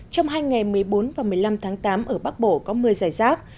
trong hai ngày một mươi bốn và một mươi năm tháng tám ở bắc bộ có mưa giải rác